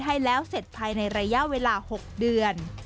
ให้แล้วเสร็จภายในระยะเวลา๖เดือน